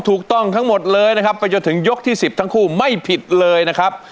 ถูกต้องทั้งหมดเลยนะครับก็จะถึงยกที่๑๐ทั้งคู่ไม่ผิดเลยนะครับ